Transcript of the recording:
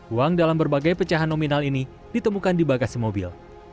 uang dalam berbagai pecahan nominal ini ditemukan di bagasi mobil